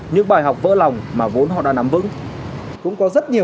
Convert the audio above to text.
những bài học vỡ lòng mà vốn họ đã nắm vững